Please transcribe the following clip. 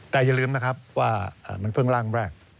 แต่อย่าลืมนะครับว่ามันเพิ่งร่างแรก